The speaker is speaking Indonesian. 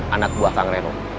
anak buah kang reno